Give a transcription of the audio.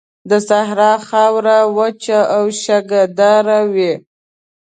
د صحرا خاوره وچه او شګهداره وي.